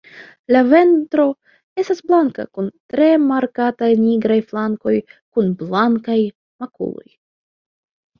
La ventro estas blanka kun tre markata nigraj flankoj kun blankaj makuloj.